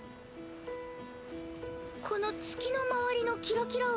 この月の周りのキラキラは？